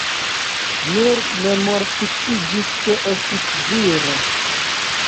Nur memorfiksiĝis ke estis viro.